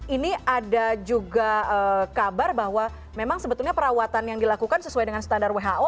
ini ada juga kabar bahwa memang sebetulnya perawatan yang dilakukan sesuai dengan standar who